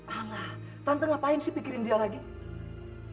ah tante ngapain sih pikirin dia lagi